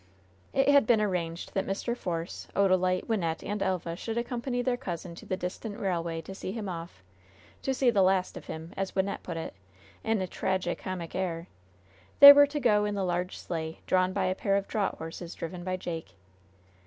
It had been arranged that Mr. Force, Odalite, Wynnette and Elva should accompany their cousin to the distant railway to see him off "to see the last of him," as Wynnette put it, in a tragi comic air. They were to go in the large sleigh, drawn by a pair of draught horses driven by Jake.